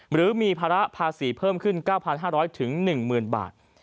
หรือมีภาระภาษีเพิ่มขึ้น๙๕๐๐๑๐๐๐บาท